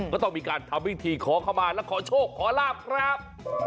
ก็ต้องมีการทำวิธีขอเข้ามาและขอโชคขอลาบครับ